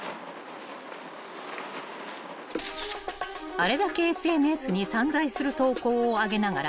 ［あれだけＳＮＳに散財する投稿を上げながら］